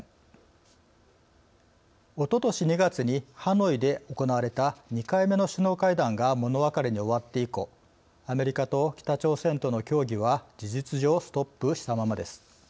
おととし２月にハノイで行われた２回目の首脳会談が物別れに終わって以降アメリカと北朝鮮との協議は事実上ストップしたままです。